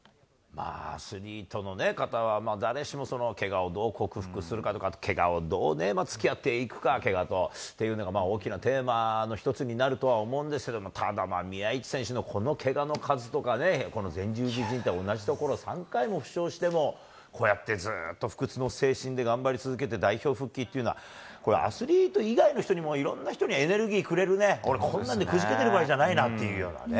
まあ、アスリートの方はね、誰しもそのけがをどう克服するかとか、けがをどうね、つきあっていくか、けがとというのが大きなテーマの一つになるとは思うんですけれども、ただ、宮市選手のこのけがの数とかね、この前十字じん帯、同じ所を３回も負傷しても、こうやってずっと不屈の精神で頑張り続けて、代表復帰っていうのは、これ、アスリート以外の人にも、いろんな人にエネルギーくれるね、俺、困難でくじけてる場合じゃないなっていうようなね。